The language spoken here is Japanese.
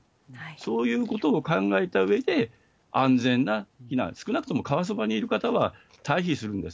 そういうことを考えたうえで、安全な避難、少なくとも川そばにいる方は退避するんです。